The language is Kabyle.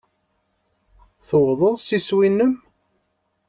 Tuwḍeḍ s iswi-nnem.